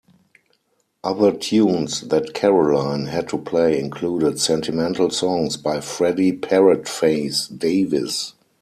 Other tunes that Caroline had to play included "Sentimental Songs" by Freddie "Parrotface" Davies.